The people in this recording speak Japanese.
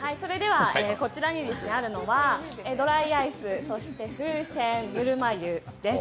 こちらにあるのはドライアイス、そして風船、ぬるま湯です。